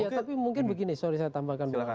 tapi mungkin begini sorry saya tambahkan